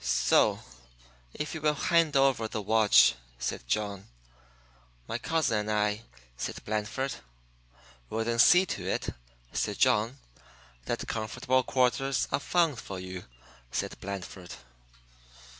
"So if you will hand over the watch " said John. "My cousin and I " said Blandford. "Will then see to it " said John. "That comfortable quarters are found for you," said Blandford.